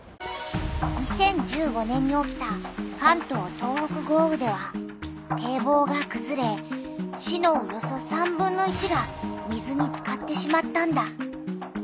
２０１５年に起きた関東・東北豪雨では堤防がくずれ市のおよそ３分の１が水につかってしまったんだ。